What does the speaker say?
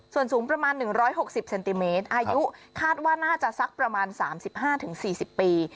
ส่วนสูงประมาณ๑๖๐เซนติเมตรอายุคาดว่าน่าจะสักประมาณ๓๕๔๐ปี